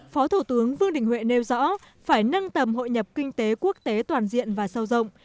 phó thủ tướng vương đình huệ nêu rõ phải nâng tầm hội nhập kinh tế quốc tế toàn diện và sâu rộng